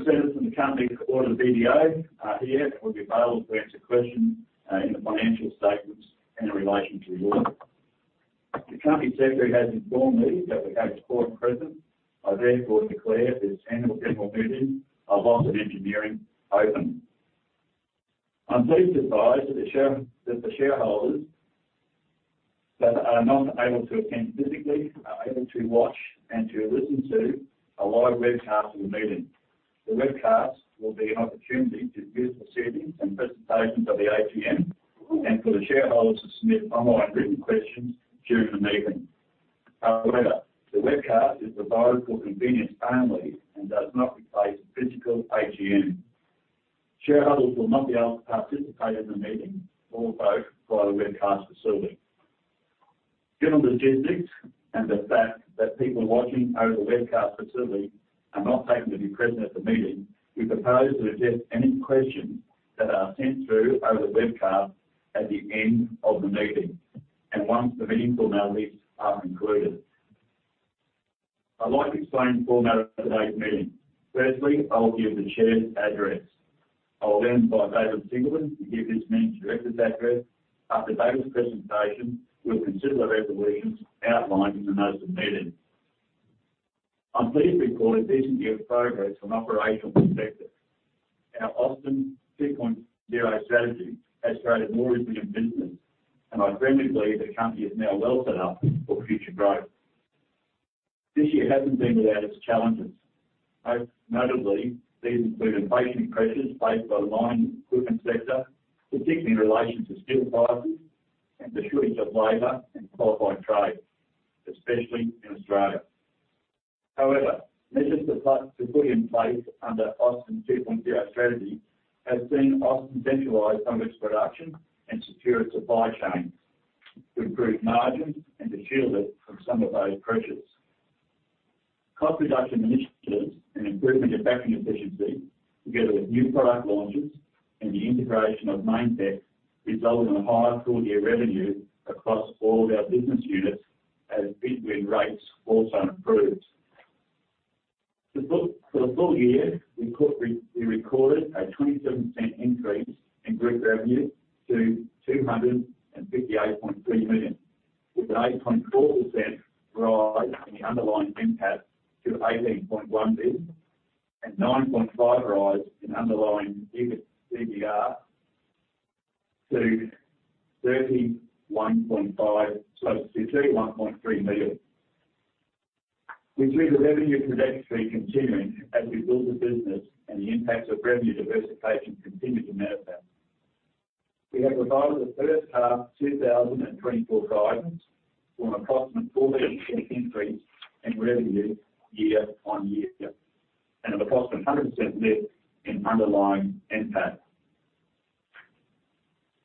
Representatives from the company auditor BDO are here and will be available to answer questions in the financial statements and in relation to the audit. The company secretary has informed me that the quorum is present. I therefore declare this Annual General Meeting of Austin Engineering open. I'm pleased to advise that the shareholders that are not able to attend physically are able to watch and to listen to a live webcast of the meeting. The webcast will be an opportunity to view the proceedings and presentations of the AGM, and for the shareholders to submit online written questions during the meeting. However, the webcast is provided for convenience only and does not replace the physical AGM. Shareholders will not be able to participate in the meeting or vote via the webcast facility. Given the logistics and the fact that people watching over the webcast facility are not taken to be present at the meeting, we propose to address any questions that are sent through over the webcast at the end of the meeting and once the meeting formalities are concluded. I'd like to explain the format of today's meeting. Firstly, I'll give the Chair's address. I'll then invite David Singleton to give his Managing Director's address. After David's presentation, we'll consider the resolutions outlined in the notes of meeting. I'm pleased to report a decent year of progress from an operational perspective. Our Austin 2.0 strategy has created more resilient business, and I firmly believe the company is now well set up for future growth. This year hasn't been without its challenges. Most notably, these include inflationary pressures faced by the mining equipment sector, particularly in relation to steel prices and the shortage of labor and qualified trades, especially in Australia. However, measures to put in place under Austin 2.0 strategy has seen Austin centralize some of its production and secure its supply chain to improve margins and to shield it from some of those pressures. Cost reduction initiatives and improvement in factory efficiency, together with new product launches and the integration of Mainetec, resulted in a higher full-year revenue across all of our business units, as big win rates also improved. For the full year, we recorded a 27% increase in group revenue to 258.3 million, with an 8.4% rise in the underlying NPAT to 18.1 million and 9.5% rise in underlying EBITDA to 31.5 million, sorry, 31.3 million. We see the revenue trajectory continuing as we build the business and the impacts of revenue diversification continue to manifest. We have provided the first half 2024 guidance of an approximate 14% increase in revenue year-on-year, and of approximately 100% lift in underlying NPAT.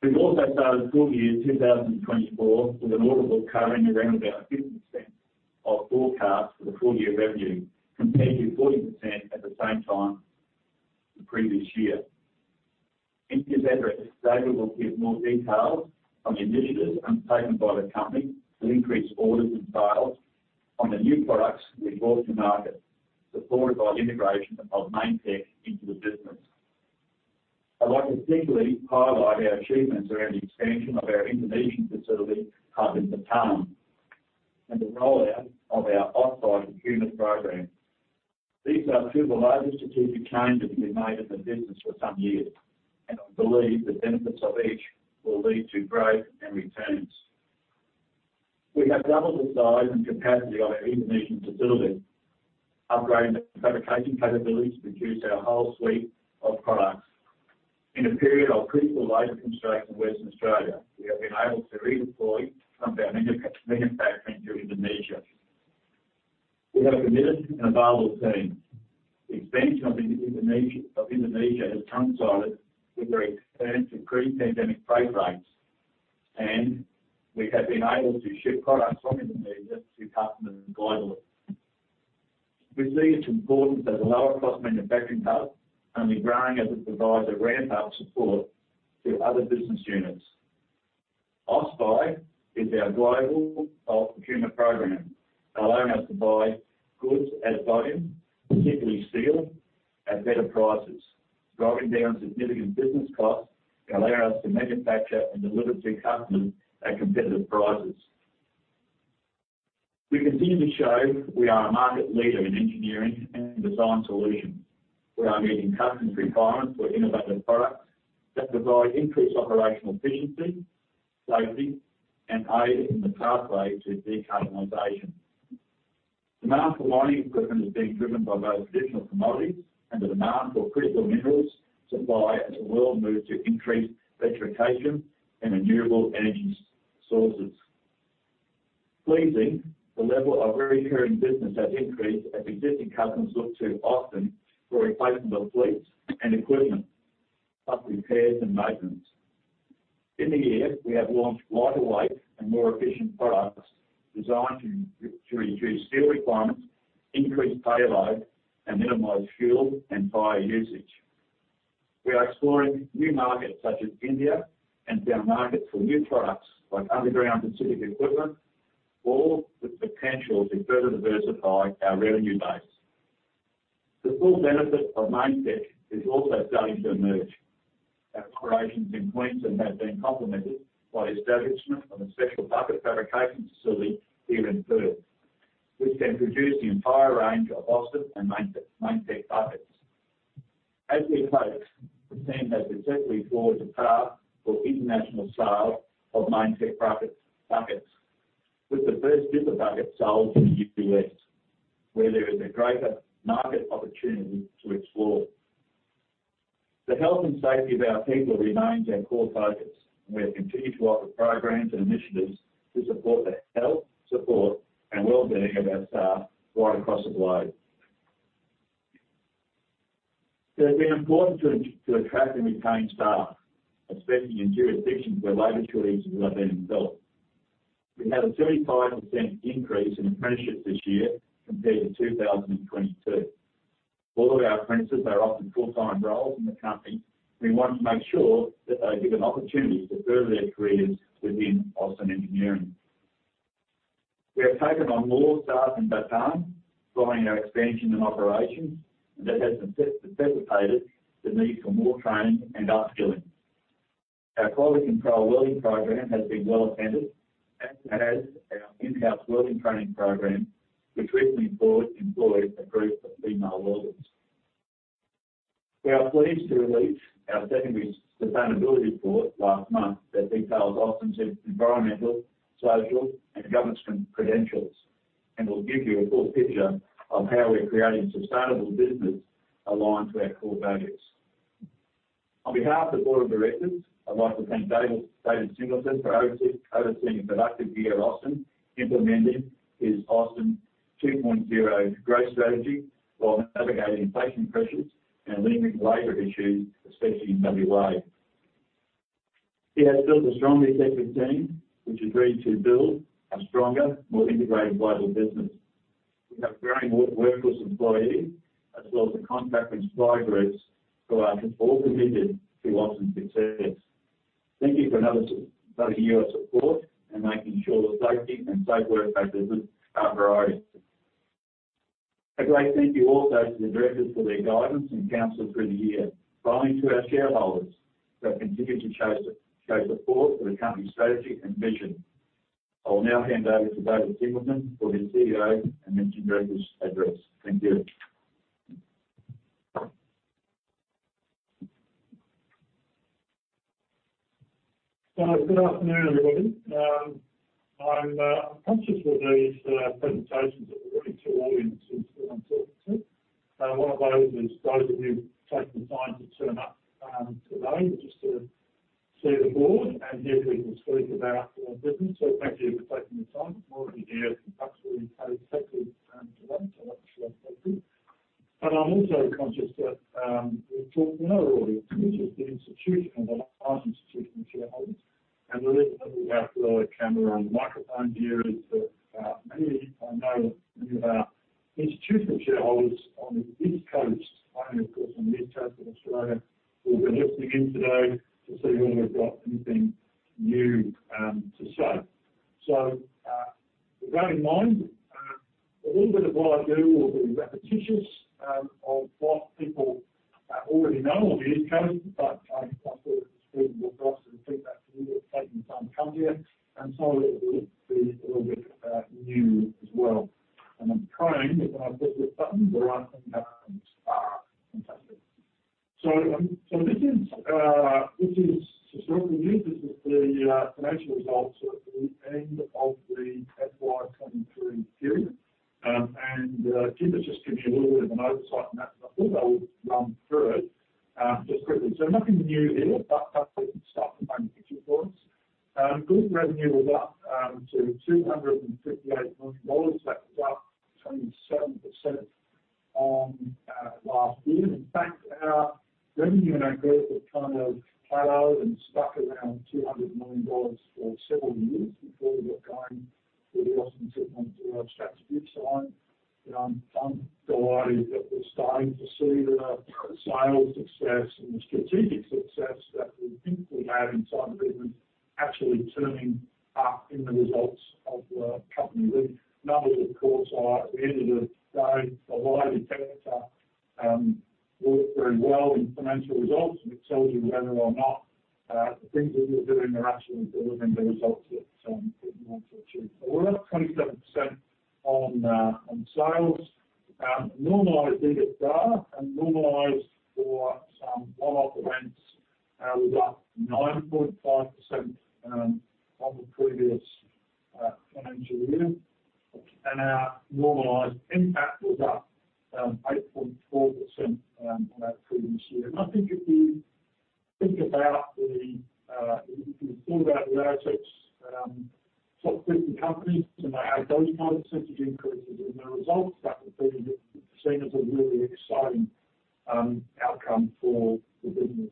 We've also started full year 2024 with an order book covering around about 50% of forecast for the full year revenue, compared to 40% at the same time the previous year. In his address, David will give more details on the initiatives undertaken by the company to increase orders and sales on the new products we've brought to market, supported by the integration of Mainetec into the business. I'd like to particularly highlight our achievements around the expansion of our Indonesian facility, hub in Batam, and the rollout of our offsite procurement program. These are two of the largest strategic changes we've made in the business for some years, and I believe the benefits of each will lead to growth and returns. We have doubled the size and capacity of our Indonesian facility, upgrading the fabrication capability to produce our whole suite of products. In a period of critical labor constraints in Western Australia, we have been able to redeploy some of our manufacturing to Indonesia. We have a committed and available team. The expansion of Indonesia has coincided with very expensive increased pandemic freight rates, and we have been able to ship products from Indonesia to customers globally. We see its importance as a lower-cost manufacturing hub, and we're growing as it provides a ramp-up support to other business units. AusBuy is our global procurement program, allowing us to buy goods at volume, particularly steel, at better prices. Driving down significant business costs allow us to manufacture and deliver to customers at competitive prices. We continue to show we are a market leader in engineering and design solutions. We are meeting customers' requirements for innovative products that provide increased operational efficiency, safety, and aid in the pathway to decarbonization. Demand for mining equipment is being driven by both traditional commodities and the demand for critical minerals supply as the world moves to increase electrification and renewable energy sources. Pleasingly, the level of recurring business has increased as existing customers look to Austin for replacement of fleets and equipment, plus repairs and maintenance. In the year, we have launched lighter weight and more efficient products designed to reduce steel requirements, increase payload, and minimize fuel and tire usage. We are exploring new markets such as India, and down markets for new products like underground specific equipment, all with potential to further diversify our revenue base. The full benefit of Mainetec is also starting to emerge. Our operations in Queensland have been complemented by establishment of a special bucket fabrication facility here in Perth, which can produce the entire range of Austin and Mainetec, mining buckets. As we approach, the team has successfully forged a path for international sales of Mainetec buckets, with the first dipper bucket sold in the U.S., where there is a greater market opportunity to explore. The health and safety of our people remains our core focus, and we have continued to offer programs and initiatives to support the health, support, and well-being of our staff right across the globe. It's been important to attract and retain staff, especially in jurisdictions where labor shortages are being felt. We had a 35% increase in apprenticeships this year compared to 2022. All of our apprentices are offered full-time roles in the company. We want to make sure that they are given opportunities to further their careers within Austin Engineering. We have taken on more staff in Batam, following our expansion and operations, and that has facilitated the need for more training and upskilling. Our quality control welding program has been well attended, as has our in-house welding training program, which recently employed a group of female welders. We are pleased to release our second sustainability report last month that details Austin's environmental, social, and governance credentials, and will give you a full picture of how we're creating sustainable business aligned to our core values. On behalf of the Board of Directors, I'd like to thank David Singleton for overseeing a productive year at Austin, implementing his Austin 2.0 growth strategy while navigating inflation pressures and leading labor issues, especially in WA. He has built a strong, effective team, which is ready to build a stronger, more integrated, global business. We have a growing workforce, employees, as well as the contract and supply groups who are all committed to Austin's success. Thank you for another year of support and making sure that safety and safe work practices are priority. A great thank you also to the directors for their guidance and counsel through the year. Finally, to our shareholders that continue to show support for the company's strategy and vision. I will now hand over to David Singleton for his CEO and then directors address. Thank you. Good afternoon, everybody. I'm conscious of these presentations are really too long into who I'm talking to. One of those is those of you who've taken the time to turn up today, just to see the board and hear people speak about our business. Thank you for taking the time for all of you here, actually, effectively, today. I want to thank you. I'm also conscious that we talk to another audience, which is the institutional, top 50 companies, and they had those 9% increases in their results, that would be seen as a really exciting outcome for the business.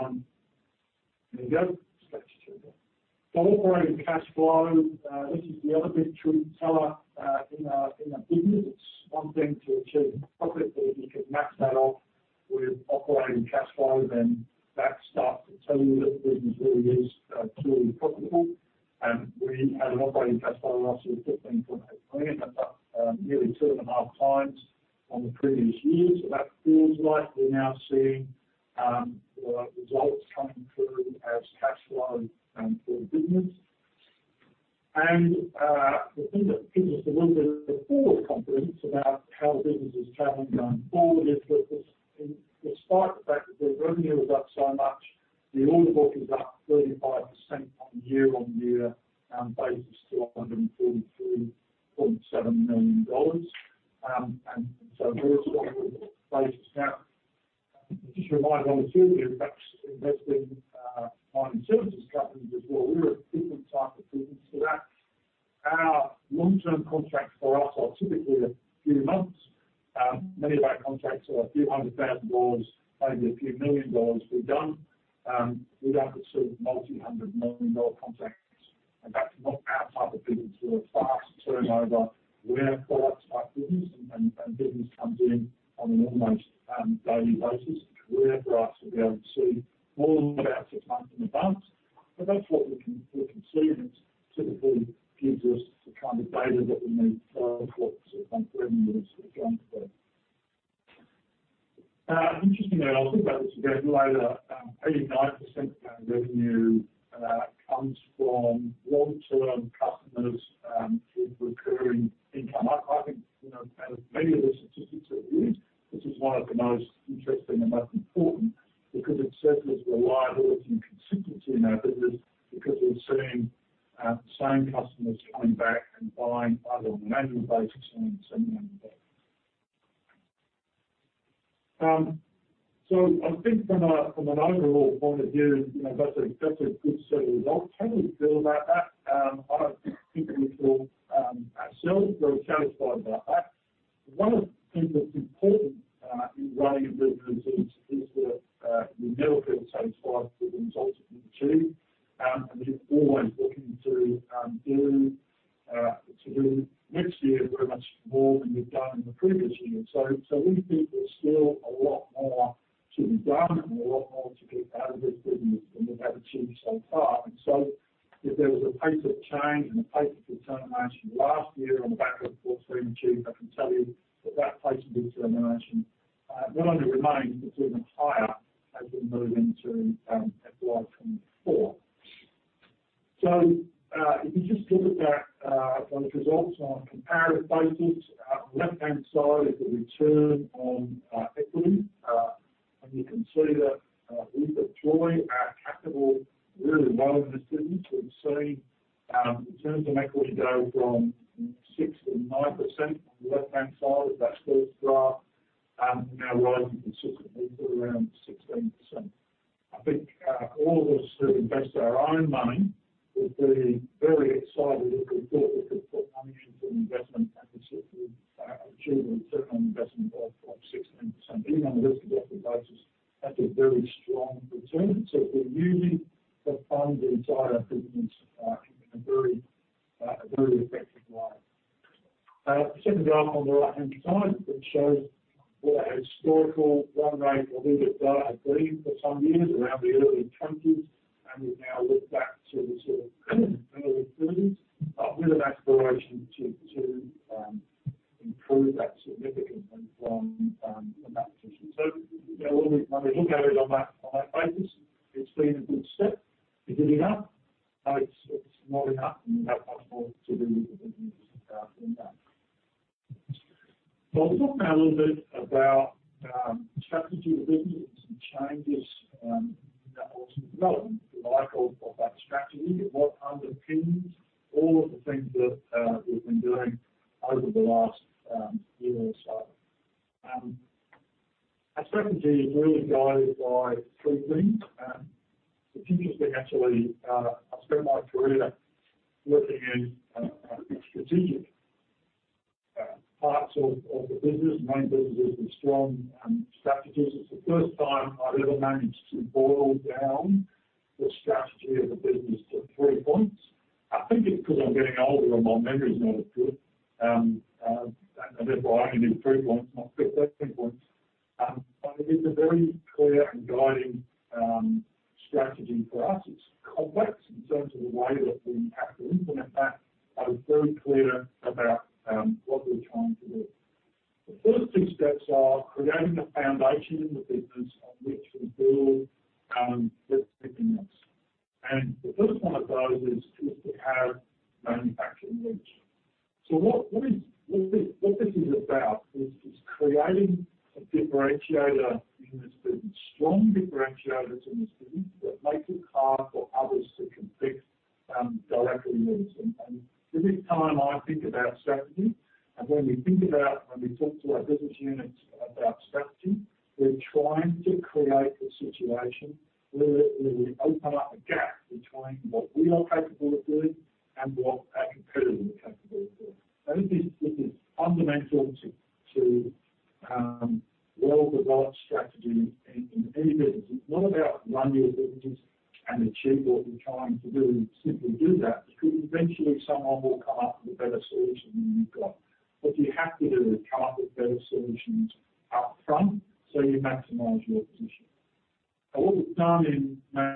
There you go. Slide two there. So operating cash flow, this is the other big truth teller in our, in our business. It's one thing to achieve profit, but if you can match that off with operating cash flow, then that starts to tell you that the business really is truly profitable. And we had an operating cash flow of roughly AUD 15.8 million. That's up nearly 2.5 times on the previous year. So that feels like we're now seeing results coming through as cash flow for the business. And the thing that gives us a little bit of forward confidence about how the business is traveling going forward is that this, despite the fact that the revenue is up so much, the order book is up 35% on a year-on-year basis to $143.7 million. And so there's one basis. Now, just remind on a few of you, in fact, investing in services companies as well, we're a different type of business to that. Our long-term contracts for us are typically a few months. Many of our contracts are a few hundred thousand dollars, only a few million dollars we've done. We don't pursue multi-hundred-million-dollar contracts, and that's not our type of business. We're a fast turnover, rare products type business, and business comes in on an almost daily basis. Rare for us to be able to see more than about a month in advance, but that's what we can see, and it typically gives us the kind of data that we need for what to plan for any years going forward. Interestingly, I'll think about this a bit later, 89% of our revenue comes from long-term customers with recurring income. I think, you know, out of many of the statistics that we use, this is one of the most interesting and most important, because it serves as reliability and consistency in our business, because we're seeing the same customers coming back and buying either on an annual basis or some annual basis. So I think from an overall point of view, you know, that's a good set of results. How do we feel about that? I don't think we feel ourselves very satisfied about that. One of the things that's important in running a business is that you never feel satisfied with the results that you've achieved, and you're always looking to do next year very much more than you've done in the previous year. So we think there's still a lot more to be done and a lot more to get out of this business than we've had achieved so far. And so if there was a pace of change and a pace of determination last year on the back of what we achieved, I can tell you that that pace of determination, not only remains, but is even higher as we move into FY 2024. So, if you just look at that, those results on a comparative basis, left-hand side is the return on equity. And you can see that, we deploy our capital really well in this business. We've seen returns on equity go from 6%-9% on the left-hand side of that first graph, now rising consistently to around 16%. I think, all of us who invest our own money would be very excited if we thought we could put money into an investment and achieve a return on investment of 16%. Even on a risk-adjusted basis, that's a very strong return. So we're using the funds inside our business, in a very effective way. Second graph on the right-hand side, it shows what our historical run rate, I believe, it was green for some years, around the early 20s,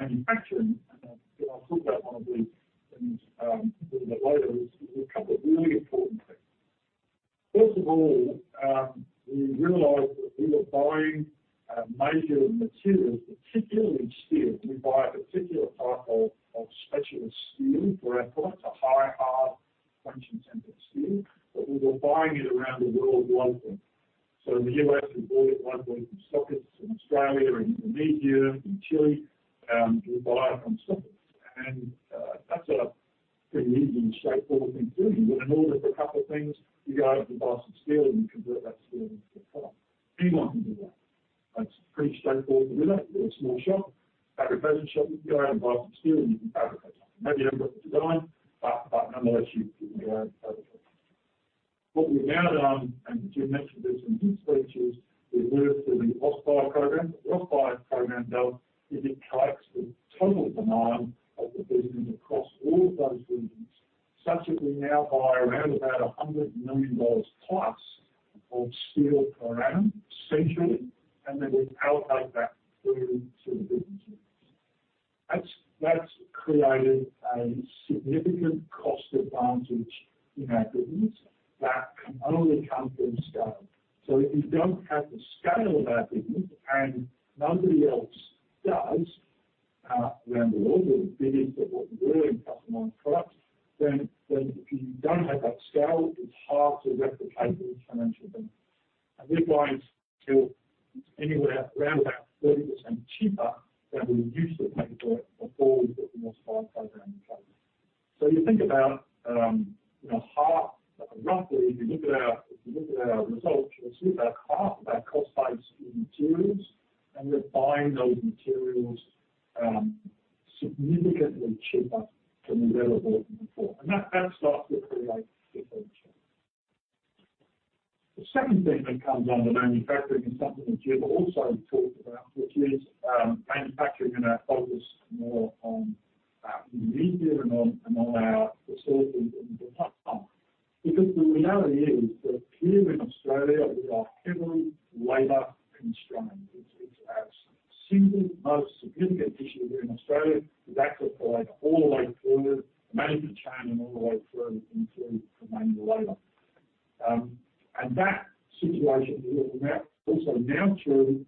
up that Jim also talked about, which is manufacturing and our focus more on Indonesia and on, and on our resources in Vietnam. Because the reality is that here in Australia, we are heavily labor constrained. It's our single most significant issue here in Australia. That applies all the way through the manufacturing chain and all the way through, including remaining labor. And that situation is also now true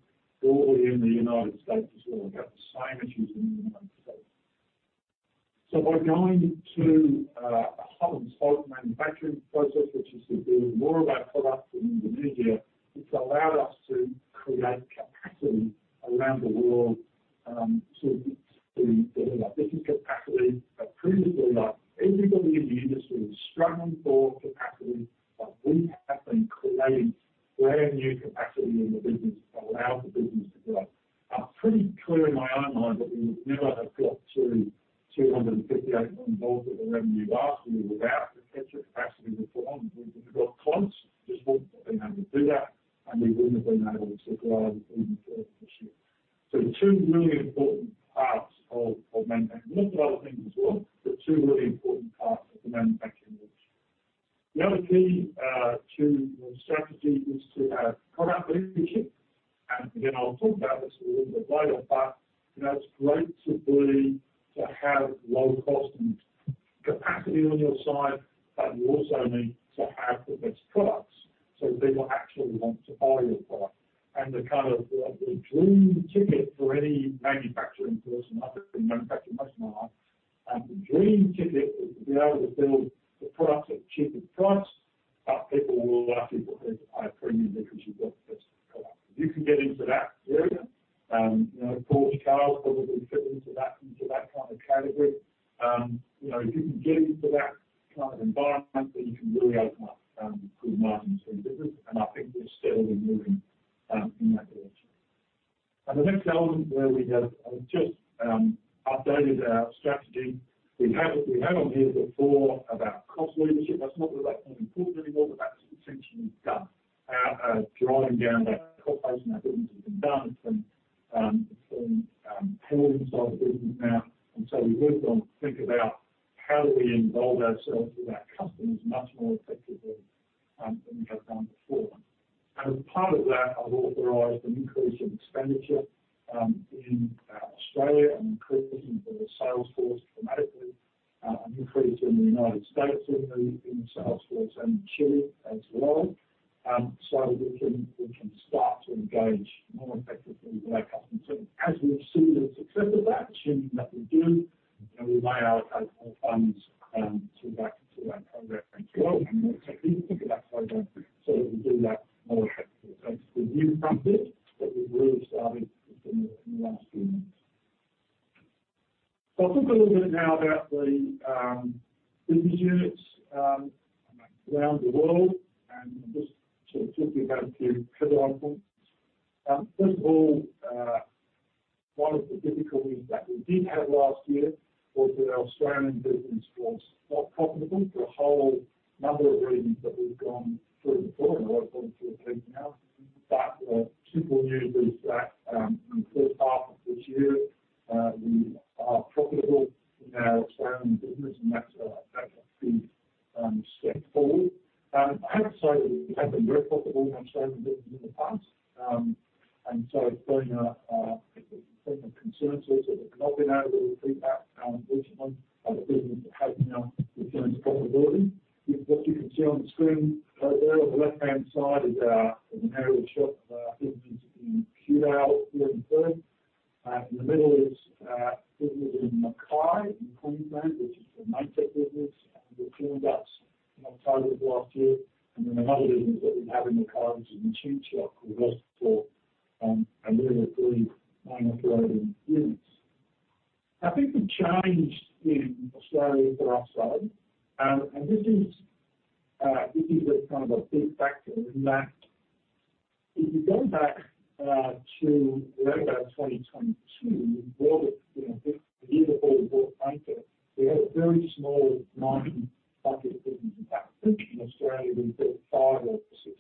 how do we involve ourselves with our customers much more effectively than we have done before. And as part of that, I've authorized an increase in expenditure in Australia, an increase in the sales force dramatically, an increase in the United States in the sales force, and in Chile as well. So we can start to engage more effectively with our customers. As we've seen the success of that changing what we do, and we may allocate more funds to that, to that program as well, and we'll take a look at that program so that we do that more effectively. It's the new front bit, but we've really started in the last few months. I'll talk a little bit now about the business units around the world... particularly about the headline point. First of all, one of the difficulties that we did have last year was that our Australian business was not profitable for a whole number of reasons that we've gone through before, and I won't go through again now. The simple news is that in the first half of this year we are profitable in our Australian business, and that's that's been successful. I have to say we have been very profitable in Australian business in the past. And so it's been a point of concern to us that we've not been able to repeat that, recently. But the business has now returned to profitability. What you can see on the screen right there on the left-hand side is an aerial shot of our business in Kewdale, here in Perth. In the middle is business in Mackay, in Queensland, which is the Mainetec business, and we cleaned up in October of last year. And then another business that we have in Mackay is in the tool shop, which was for nearly three operating years. I think the change in Australia for our side, and this is, this is a kind of a big factor, in that if you go back to around about 2022, we bought it, you know, the year before we bought Mainetec, we had a very small mining bucket business. In fact, I think in Australia, we built five or six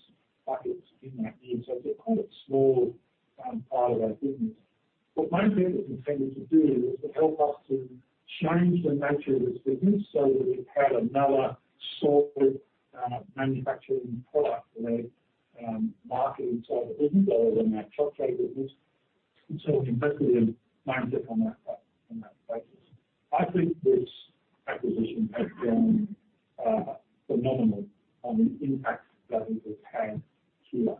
buckets in that year, so it's a quite small, you know, part of our business. What Mainetec was intended to do is to help us to change the nature of this business so that we had another sort of manufacturing product in our marketing side of the business other than our truck tray business. We invested in Mainetec on that, on that basis. I think this acquisition has been phenomenal on the impact that it has had here.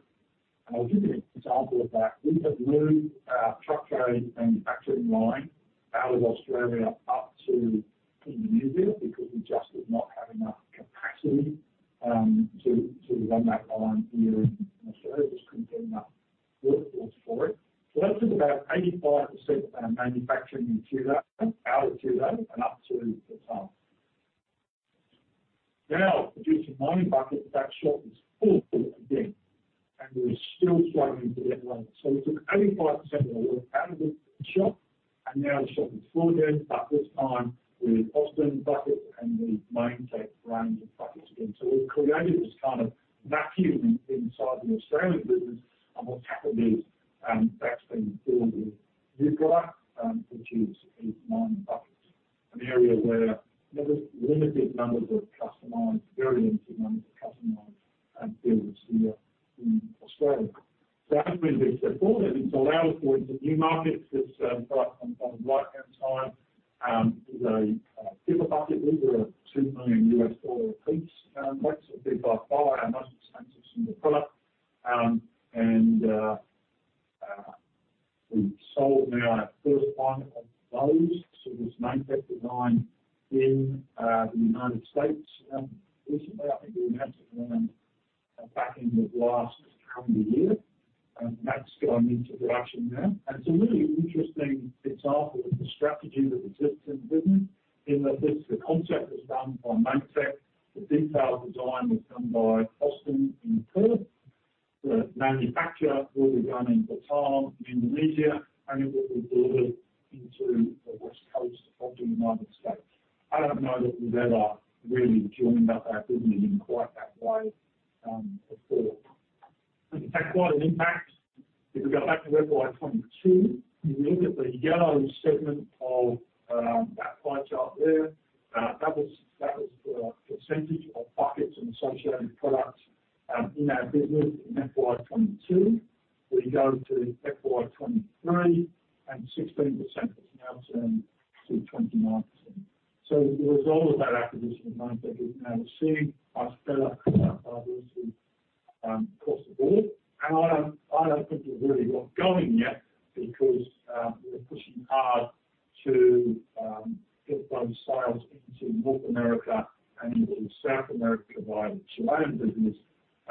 I'll give you an example of that. We have moved our truck tray manufacturing line out of Australia up to New Zealand because we just did not have enough capacity to run that line here in Australia. Just couldn't get enough workforce for it. That took about 85% of our manufacturing into that, out of today and up to the top. Now, due to mining buckets, that shop is full again, and we're still struggling to get one. We took 85% of the work out of the shop, and now the shop is full again, but this time with Austin buckets and the Mainetec range of buckets again. So we've created this kind of vacuum inside the Australian business, and what's happened is, that's been filled with new product, which is, is mining buckets, an area where there is limited numbers of customized, very limited numbers of customized, builds here in Australia. So that's been successful, and it's allowed us into new markets. This product on the right-hand side is a dipper bucket. These are $2 million a piece. That's by far our most expensive single product. And we've sold now our first one of those. So this Mainetec design in the United States recently. I think we had one back in the last calendar year, and that's going into production now. It's a really interesting example of the strategy that exists in the business, in that this, the concept was done by Mainetec. The detailed design was done by Austin in Perth. The manufacture will be done in Batam, Indonesia, and it will be delivered into the West Coast of the United States. I don't know that we've ever really joined up our business in quite that way, before. It's had quite an impact. If you go back to FY 2022, you look at the yellow segment of, that pie chart there, that was the percentage of buckets and associated products, in our business in FY 2022. We go to FY 2023, and 16% is now turned to 29%. So the result of that acquisition of Mainetec is now seeing much better diversity, across the board. I don't think it's really got going yet because we're pushing hard to get those sales into North America and into South America by the Chilean business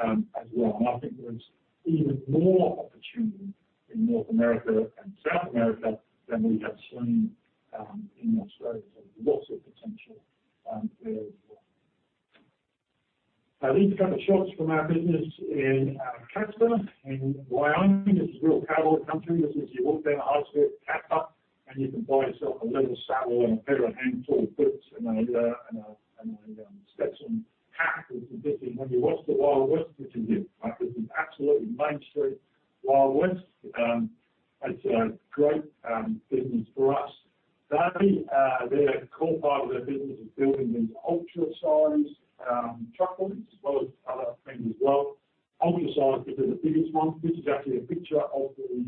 as well. I think there's even more opportunity in North America and South America than we have seen in Australia. Lots of potential there as well. Now, these are a couple of shots from our business in Casper in Wyoming. This is real cowboy country. This is your walk down the high street, Casper, and you can buy yourself a leather saddle and a pair of hand-tooled boots and a Stetson hat. This is when you watch the Wild West, which you do. Like, this is absolutely mainstream Wild West. It's a great business for us. Their core part of their business is building these ultra size truck bodies, as well as other things as well. Ultra size, this is the biggest one. This is actually a picture of the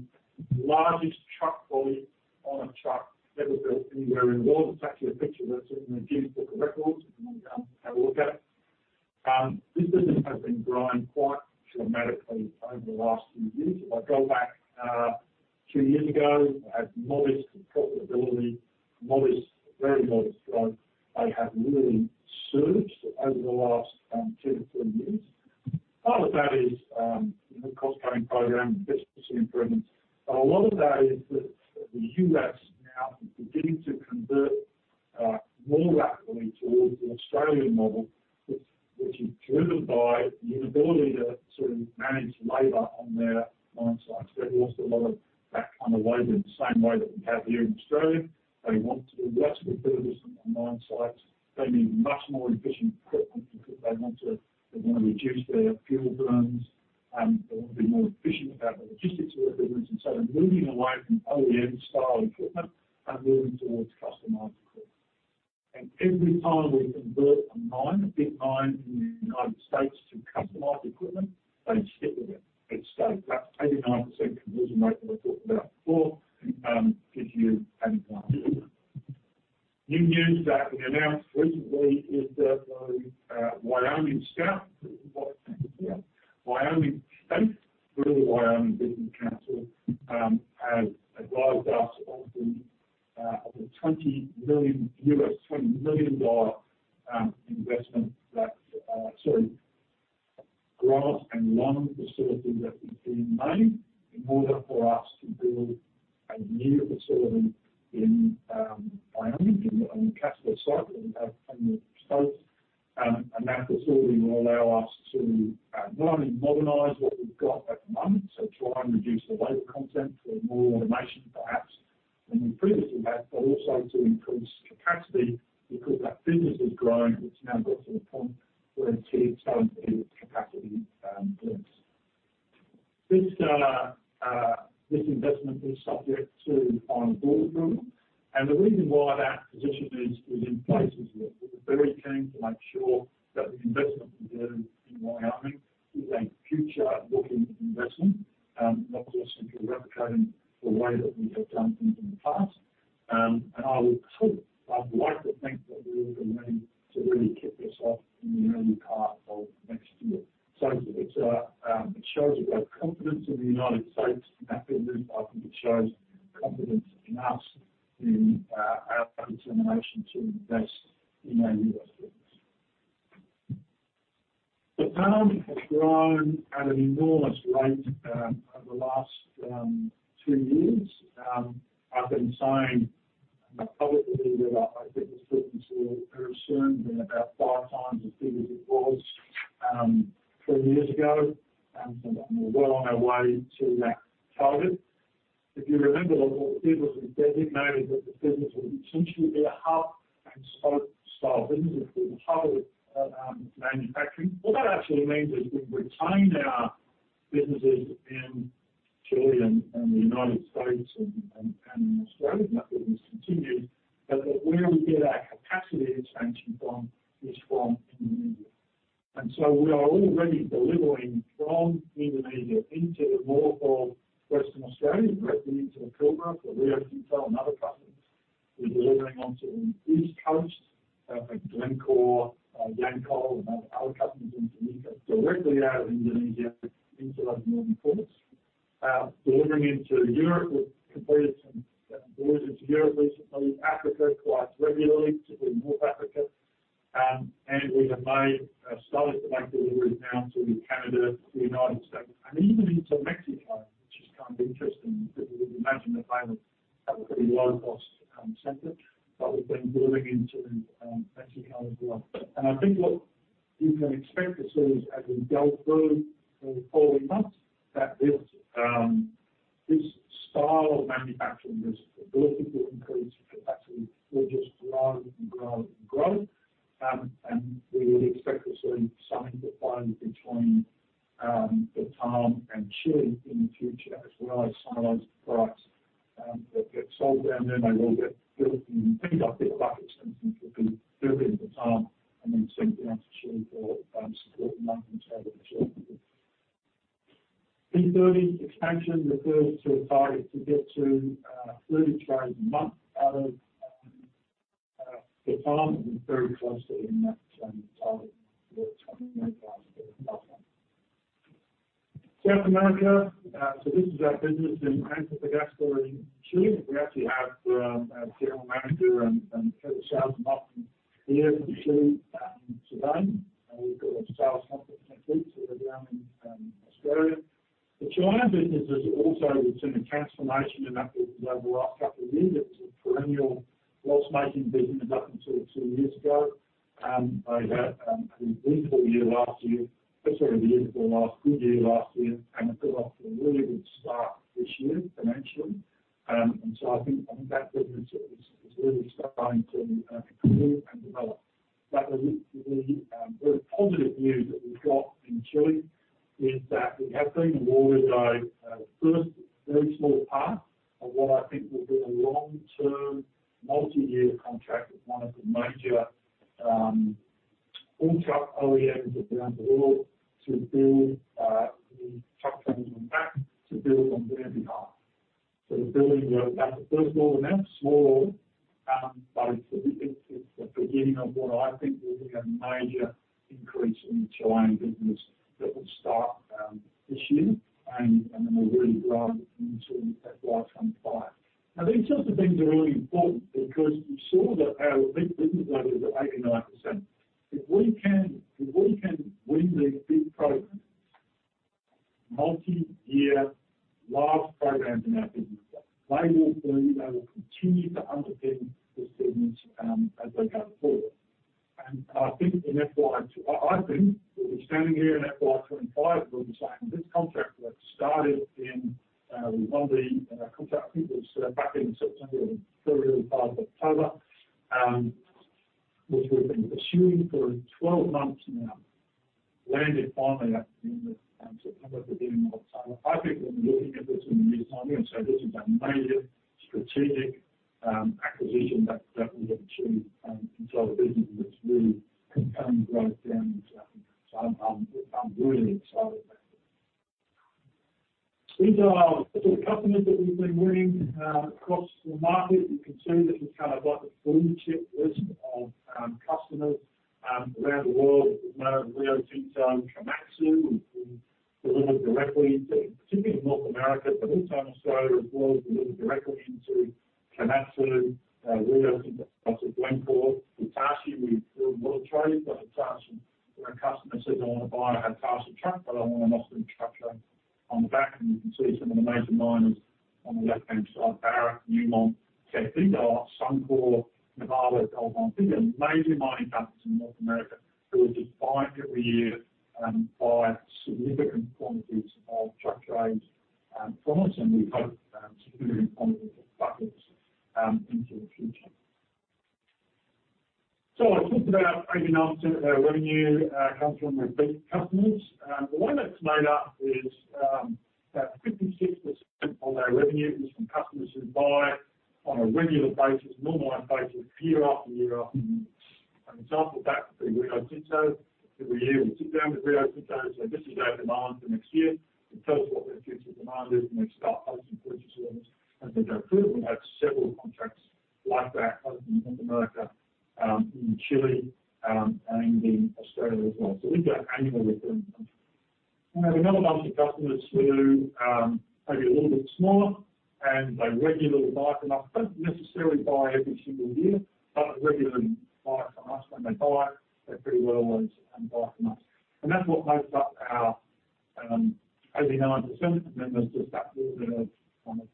largest truck body on a truck ever built anywhere in the world. It's actually a picture that's in the Guinness Book of Records. If you want, have a look at it. This business has been growing quite dramatically over the last few years. If I go back, 2 years ago, it had modest profitability, modest, very modest growth. They have really surged over the last, 2-3 years. Part of that is, the cost-cutting program, business improvements, but a lot of that is the, the US-... Beginning to convert more rapidly towards the Australian model, which is driven by the ability to sort of manage labor on their mine sites. They've lost a lot of that kind of labor in the same way that we have here in Australia. They want to reduce the builders on the mine sites. They need much more efficient equipment because they want to reduce their fuel burns, and they want to be more efficient about the logistics of their business. And so they're moving away from OEM-style equipment and moving towards customized equipment. And every time we convert a mine, a big mine in the United States, to customized equipment, they stick with it. It stays. That 89% conversion rate that I talked about before gives you an example. New news that we announced recently is that the Wyoming State, through the Wyoming Business Council, has advised us of the $20 million grant and loan facility that we've been made in order for us to build a new facility in Wyoming, on the Casper site that we have in the States. That facility will allow us to not only modernize what we've got at the moment, so try and reduce the labor content for more automation, perhaps, than we previously had, but also to increase capacity because that business is growing. It's now got to the point where it is starting to capacity limits. This investment is subject to our board approval, and the reason why that position is in place is we're very keen to make sure that the investment we do in Wyoming is a future-looking investment, not just replicating the way that we have done things in the past. I would sort of, I'd like to think that we will be ready to really kick this off in the early part of next year. It shows a great confidence in the United States, and I think it shows confidence in us, in our determination to invest in our U.S. business. Vietnam has grown at an enormous rate over the last two years. I've been saying publicly that I think this business will very soon be about 5 times the size it was 3 years ago, and we're well on our way to that target. If you remember, the people who designated that the business would essentially be a hub-and-spoke style business with the hub of manufacturing. What that actually means is we've retained our businesses in Chile, the United States, and Australia. That business continued, but where we get our capacity expansion from is from Indonesia. We are already delivering from Indonesia into the port of Western Australia, directly into the Pilbara for Rio Tinto and other customers. We're delivering onto the East Coast for Glencore, Yancoal, and other companies in Mackay, directly out of Indonesia into those northern ports. Delivering into Europe, we've completed some deliveries into Europe recently. Africa, quite regularly, typically North Africa. And we have made, started to make deliveries now to Canada, the United States, and even into Mexico, which is kind of interesting because you would imagine that they have a pretty low-cost, center, but we've been delivering into, Mexico as well. And I think what you can expect to see as we go through the following months, that this, this style of manufacturing, this ability to increase capacity, will just grow and grow and grow. We would expect to see something defined between Vietnam and Chile in the future, as well as some of those products that get sold down there may well get built in, picked up in buckets, and then built in Vietnam and then sent down to Chile or support the market in Chile. P-30 expansion refers to a target to get to 30 trays a month out of Vietnam, and very closely in that same target for 20,000. South America, this is our business in Antofagasta in Chile. We actually have a general manager and head of sales and op here in Chile, in Sudan, and we've got a sales complete down in Australia. The China business is also seeing a transformation in that business over the last couple of years. It's a perennial loss-making business up until two years ago. They had a beautiful year last year, sorry, a beautiful last good year last year, and in Australia as well. So these are annual recurring contracts. We have another bunch of customers who, may be a little bit smaller, and they regularly buy from us. Don't necessarily buy every single year, but regularly buy from us. When they buy, they pretty well always, buy from us. That's what makes up our 89%, and then there's just that little bit of, kind of,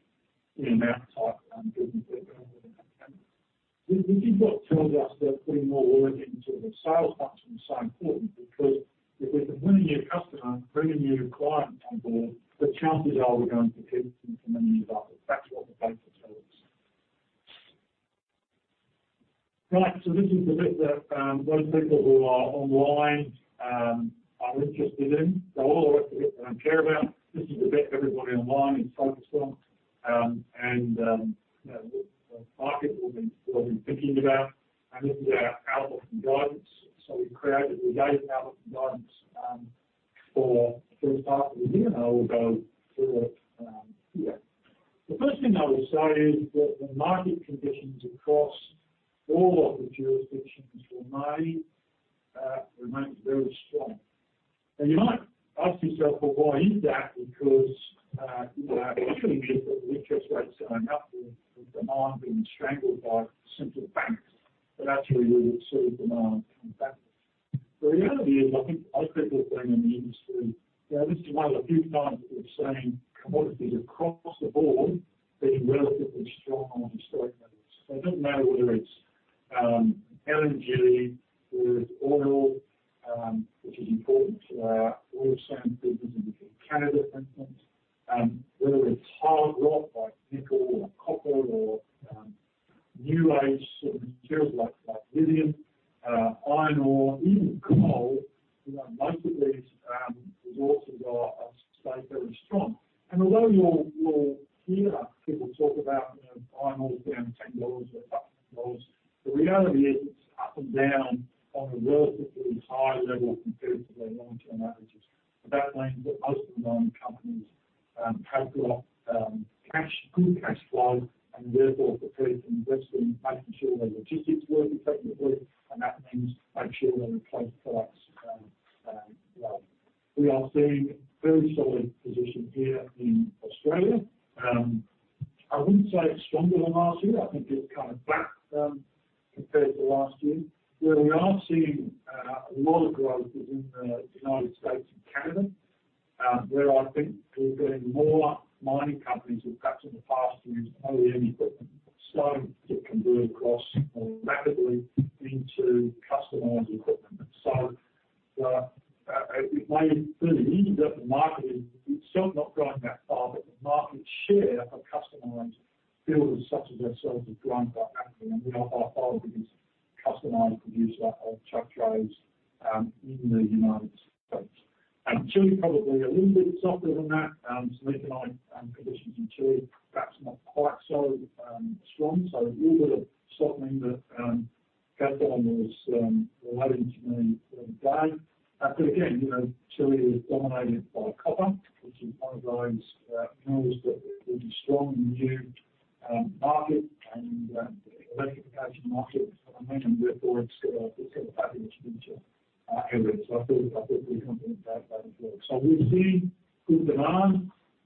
in and out type business that go with that category. This is what tells us that putting more work into the sales function is so important, because if we can win a new customer, bring a new client on board, the chances are we're going to keep them for many years after. That's what the data tells us. Right, so this is the bit that those people who are online are interested in. So all the rest of it care about, this is the bit everybody online is focused on, and you know, the market will be, will be thinking about. And this is our outlook and guidance. We gave an outlook and guidance for the first half of the year, and I will go through it here. The first thing I will say is that the market conditions across all of the jurisdictions remain very strong. You might ask yourself, "Well, why is that?" Because, you know, usually if interest rates are going up, the demand being strangled by central banks, but actually, we would see demand come back. For years, I think most people have been in the industry, you know, this is one of the few times we've seen commodities across the board being relatively strong on historic levels. So it doesn't matter whether it's energy, whether it's oil,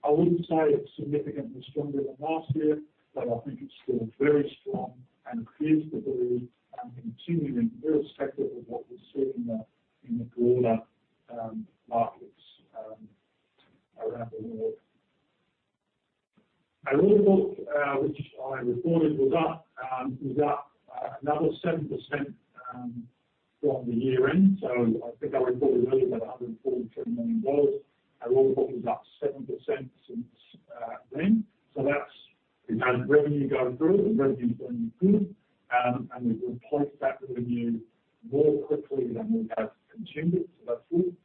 I wouldn't say it's significantly stronger than last year, but I think it's still very strong and creates the very continuing and very speculative of what we're seeing in the, in the broader, markets, around the world. Our order book, which I reported was up, is up, another 7%, from the year-end. So I think I reported earlier that 142 million dollars. Our order book is up 7% since then. As revenue goes through, the revenue is doing good. We've replaced that revenue more quickly than we have consumed it. That's good.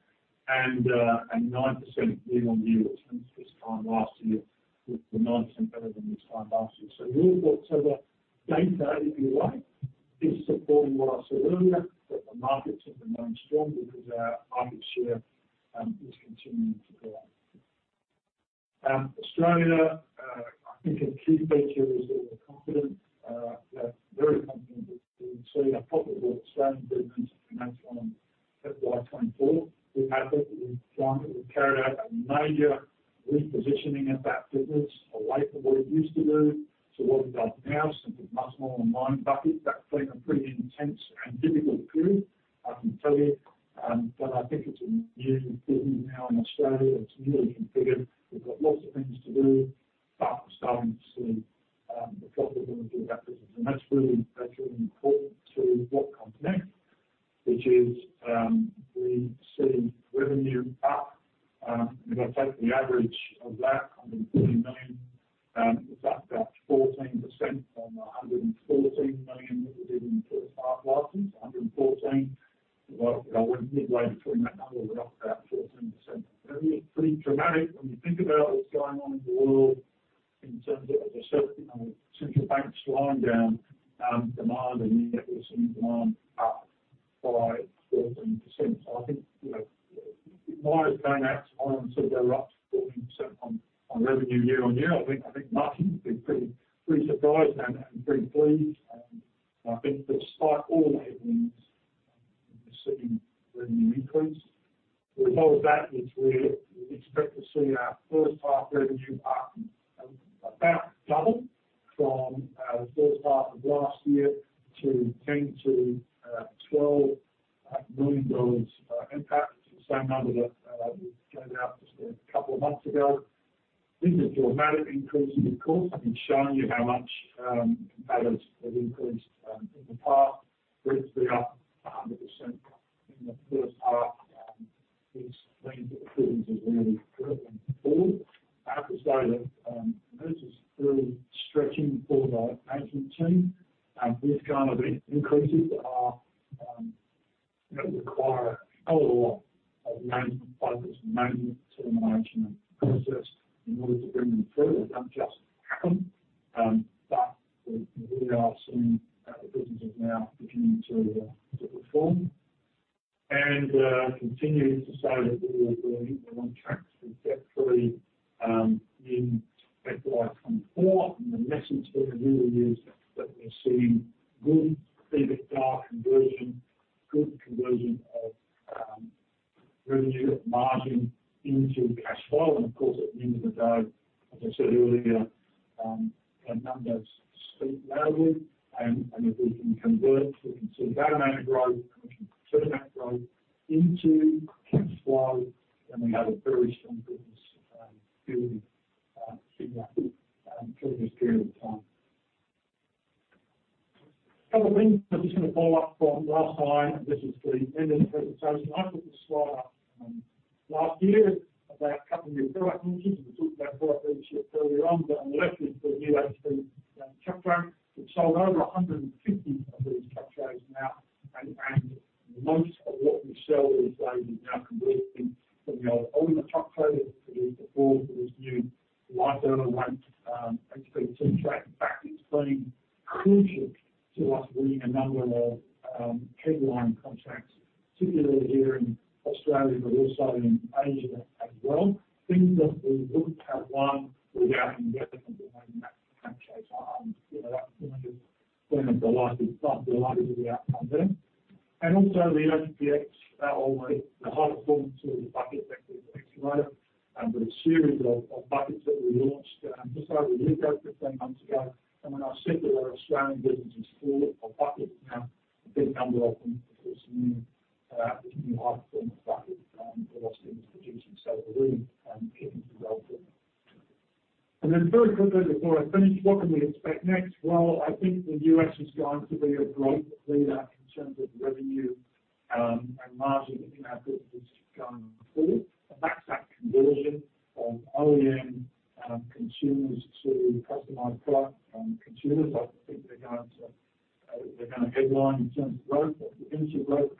Nine percent year-on-year since this time last year, with the 9% better than this time last year. The order book, the data, if you like, is supporting what I said earlier, that the markets have remained strong because our market share is continuing to grow. Australia, I think a key feature is that we're confident, yeah, very confident that we will see a profit with Australian Business Financial on February 24. We've had it. We've planned it. We've carried out a major repositioning of that business away from what it used to do to what we've done now. It's much more online bucket. That's been a pretty intense and difficult period, I can tell you. But I think it's really improving now in Australia. It's really improved. We've got lots of things to do, but we're starting to see the profit going through that business. And that's really, that's really important to what comes next, which is we see revenue up. If I take the average of that, AUD loudly, and if we can convert, we can see that amount of growth, and we can turn that growth into cash flow, then we have a very strong business building during that, during this period of time. A couple of things I'm just gonna follow up from last time, and this is the end of the presentation. I put this slide up last year about a couple of new product launches. We talked about product launches earlier on, but on the left is the new HP truck body. We've sold over 150 of these truck body now, and most of what we sell is now converting from the older truck body to this new lighter weight HP truck. In fact, it's been crucial to us winning a number of headline contracts, particularly here in Australia, but also in Asia as well, things that we wouldn't have won without investing in the new truck body. You know, that's been a delighted, delighted with the outcome there. Also the HP Ex, or the high performance bucket excavator, and with a series of buckets that we launched just over a year ago, 15 months ago. When I said that our Australian business is full of buckets now, a big number of them, of course, new, new high-performance buckets that we're producing. We're keeping developing. Very quickly before I finish, what can we expect next? Well, I think the U.S. is going to be a great leader in terms of revenue and margin in our business going forward. That's that conversion from OEM consumers to customized products and consumers. I think they're going to, they're gonna headline in terms of growth,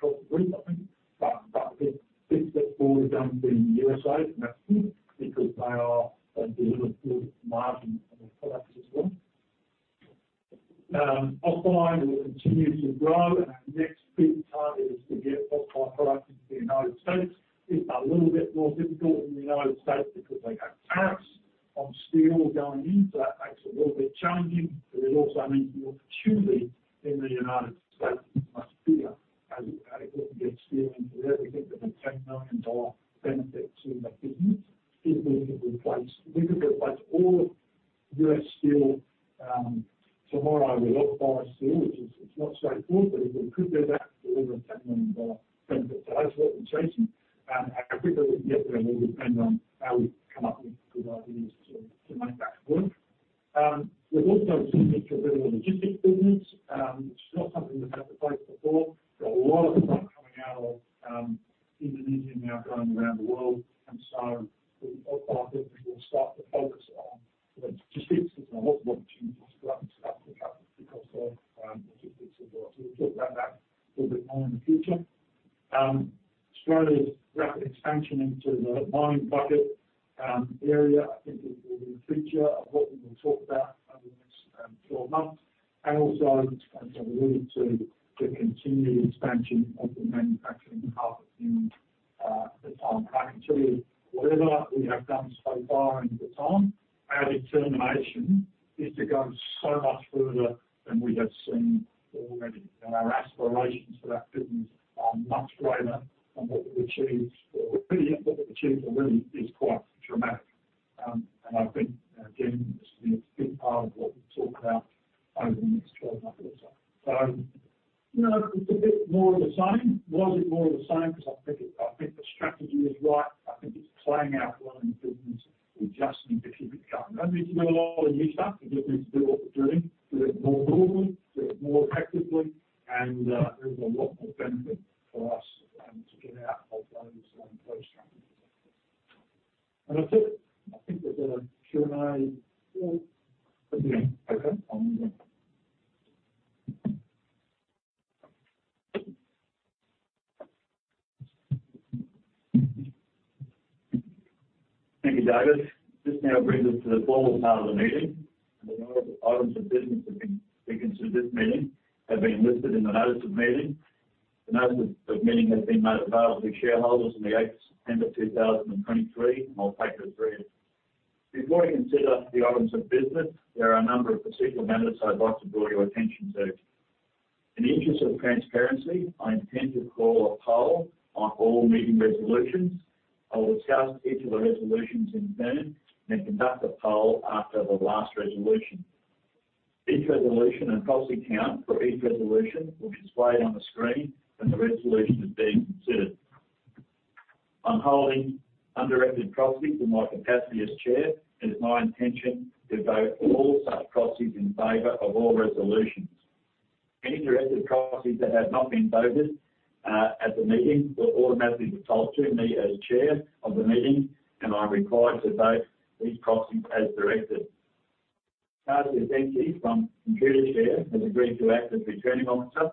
Kassy Athanasiou from Computershare has agreed to act as Returning Officer.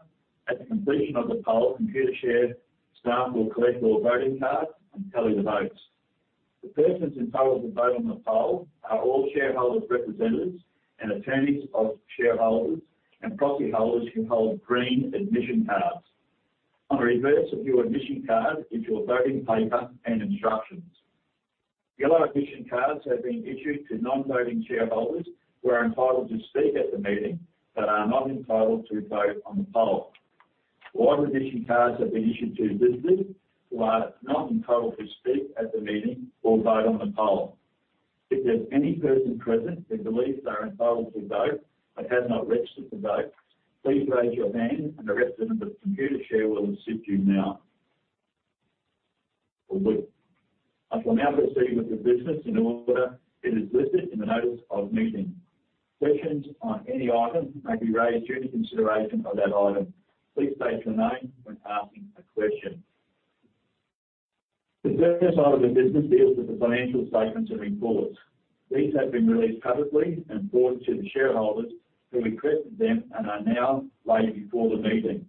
At the completion of the poll, Computershare staff will collect all voting cards and tally the votes. The persons entitled to vote on the poll are all shareholders, representatives, and attorneys of shareholders and proxy holders who hold green admission cards. On the reverse of your admission card is your voting paper and instructions. Yellow admission cards have been issued to non-voting shareholders who are entitled to speak at the meeting, but are not entitled to vote on the poll. White admission cards have been issued to visitors who are not entitled to speak at the meeting or vote on the poll. If there's any person present, they believe they are entitled to vote, but have not registered to vote, please raise your hand, and a representative of Computershare will assist you now. I shall now proceed with the business in order it is listed in the notice of meeting. Questions on any item may be raised during the consideration of that item. Please state your name when asking a question. The first item of business deals with the financial statements and reports. These have been released publicly and brought to the shareholders who requested them and are now laid before the meeting.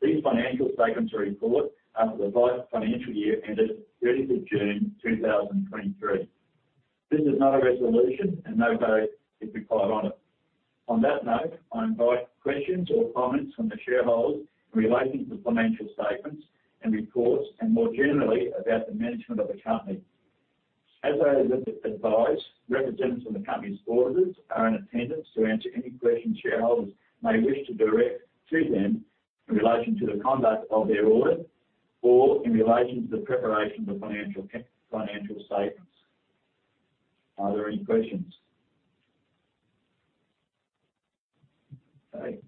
These financial statements are reported after the last financial year, ended 30 June 2023. This is not a resolution, and no vote is required on it. On that note, I invite questions or comments from the shareholders in relating to the financial statements and reports, and more generally, about the management of the company. As I advise, representatives from the company's auditors are in attendance to answer any questions shareholders may wish to direct to them in relation to the conduct of their audit or in relation to the preparation of the financial statements. Are there any questions? Okay.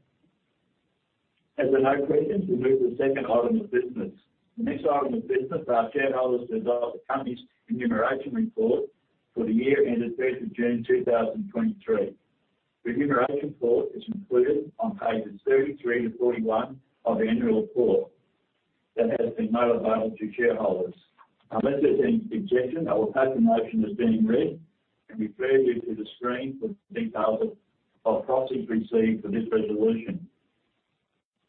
As there are no questions, we move to the second item of business. The next item of business are shareholders to adopt the company's remuneration report for the year ended 3rd of June, 2023. The remuneration report is included on pages 33 to 41 of the annual report that has been made available to shareholders. Unless there's any objection, I will take the motion as being read and refer you to the screen for details of proxies received for this resolution.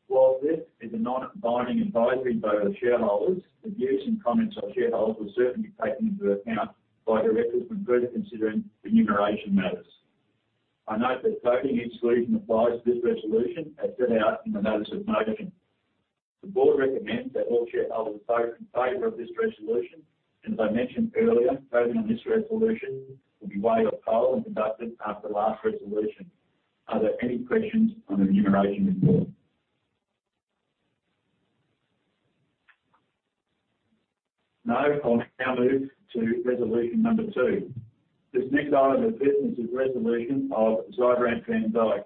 While this is a non-binding advisory vote of shareholders, the views and comments of shareholders will certainly be taken into account by directors when further considering remuneration matters. I note that voting exclusion applies to this resolution, as set out in the notice of motion. The board recommends that all shareholders vote in favor of this resolution, and as I mentioned earlier, voting on this resolution will be by way of poll and conducted after the last resolution. Are there any questions on the remuneration report? No, I'll now move to resolution number two. This next item of business is resolution of Sybrandt Van Dyk.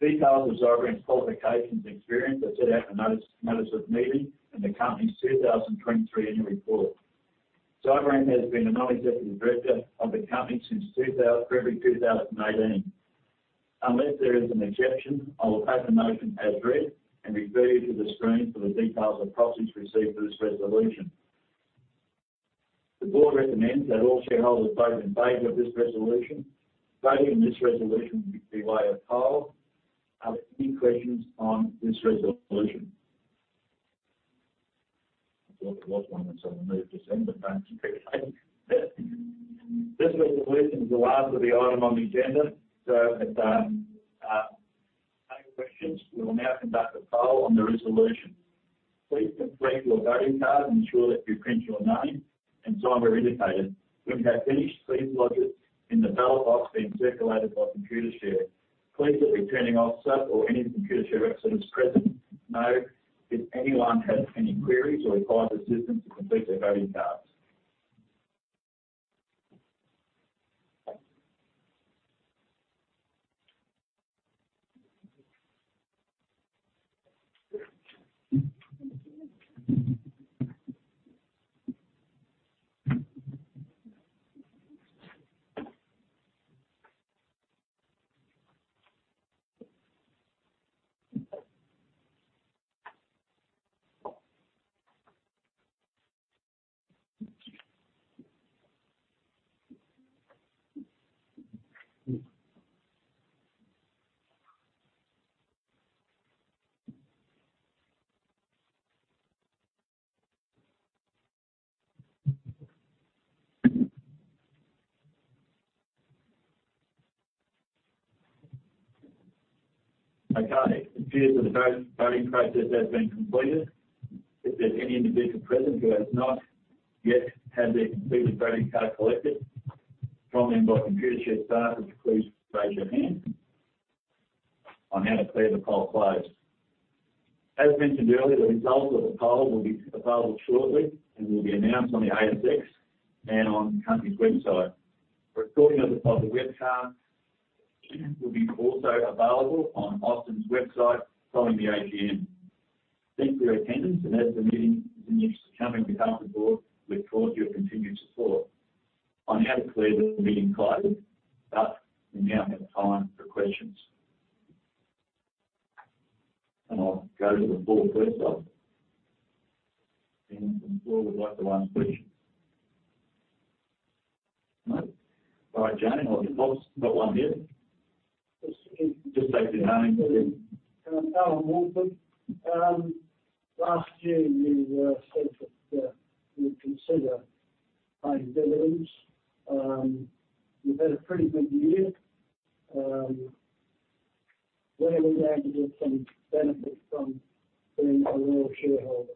Details of Sybrandt's qualifications and experience are set out in the notice of meeting in the company's 2023 annual report. Sybrandt has been a non-executive director of the company since February 2018. Unless there is an objection, I will take the motion as read and refer you to the screen for the details of proxies received for this resolution. The board recommends that all shareholders vote in favor of this resolution. Voting in this resolution will be by a poll. Are there any questions on this resolution? I thought there was one, and so I moved to send, but thanks. This resolution is the last item on the agenda, so if there are no questions, we will now conduct a poll on the resolution. Please complete your voting card and ensure that you print your name and sign where indicated. When you have finished, please lodge it in the ballot box being circulated by Computershare. Please let the returning officer or any Computershare representative present know if anyone has any queries or requires assistance to complete their voting cards. Okay, it appears that the voting process has been completed. If there's any individual present who has not yet had their completed voting card collected from them by Computershare staff, would you please raise your hand? I now declare the poll closed. As mentioned earlier, the results of the poll will be available shortly and will be announced on the ASX and on the company's website. A recording of the webcast will be also available on Austin's website following the AGM. Thanks for your attendance, and as the meeting is coming, on behalf of the board, we thank you for your continued support. I now declare this meeting closed. We now have time for questions. I'll go to the board first off. The board would like to answer any? No. All right, Jane, I'll give Bob, got one here. Yes. Just take your time. Alan Walden. Last year you said that you'd consider paying dividends. You've had a pretty good year. When are we going to get some benefits from being a loyal shareholder?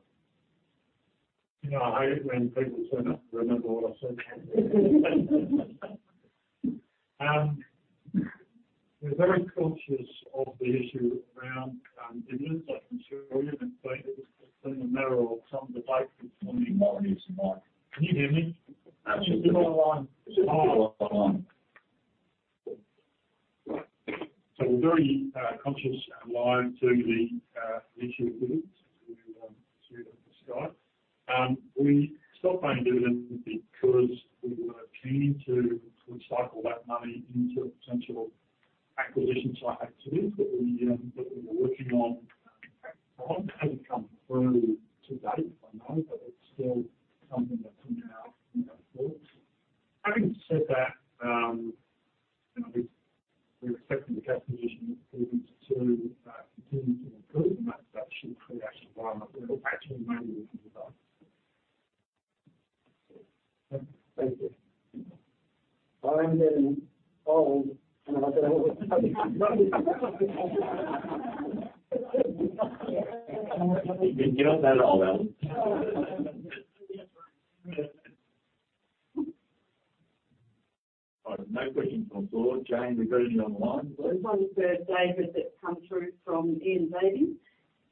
You know, I hate it when people turn up to remember what I said. We're very conscious of the issue around dividends, I can assure you, and it's been a matter of some debate on the minority's mind. Can you hear me? Absolutely. You're online. You're just online. We're very conscious and alive to the issue of dividends. We stopped paying dividends because we were keen to recycle that money into potential acquisition-type activities that we were working on. Hasn't come through to date, I know, but it's still something that's in our thoughts. Having said that, you know, we're expecting the cash position to continue to improve, and that should create environment where we'll actually manage the device. Thank you. I am getting old, and I don't... You're not that old, Alan. All right, no questions from the board. Jane, have we got any online? There's one for David that come through from Ian Davies.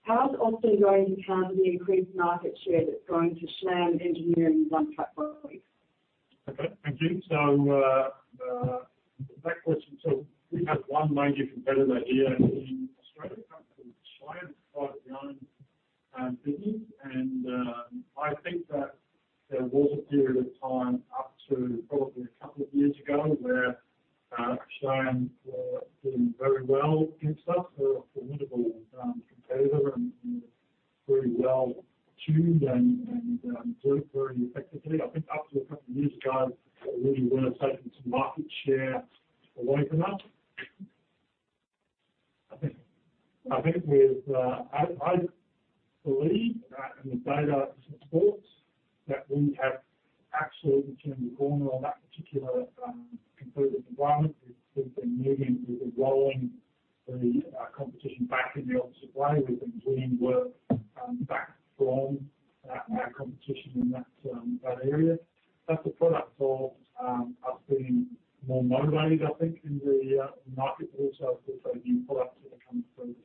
How is Austin going to counter the increased market share that's going to Schlam Engineering one truck by the week? Okay, thank you. So, that question, so we have one major competitor here in Australia, a company called Schlam, it's quite a young business. And, I think that there was a period of time up to probably a couple of years ago where Schlam were doing very well against us. They're a formidable competitor and very well tuned and do it very effectively. I think up to a couple of years ago, we were taking some market share away from us. I think with I believe and the data supports that we have absolutely turned the corner on that particular competitive environment. We've been moving, we've been rolling the competition back in the opposite way. We've been winning work back from our competition in that area. That's a product of us being more motivated, I think, in the market, but also as the new products that are coming through.